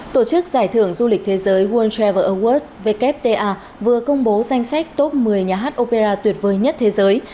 tổ chức giải thưởng du lịch thế giới world travel awards wta vừa công bố danh sách top một mươi nhà hát opera tuyệt vời nhất thế giới